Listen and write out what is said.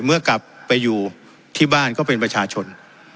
เมื่อกลับไปอยู่ที่บ้านก็เป็นประชาชน